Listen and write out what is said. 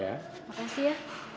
papa makasih ya